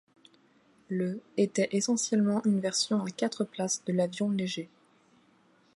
Le ' était essentiellement une version à quatre places de l'avion léger '.